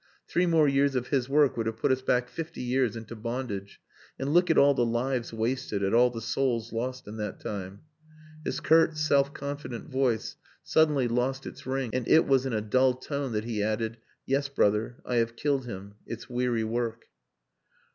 Three more years of his work would have put us back fifty years into bondage and look at all the lives wasted, at all the souls lost in that time." His curt, self confident voice suddenly lost its ring and it was in a dull tone that he added, "Yes, brother, I have killed him. It's weary work."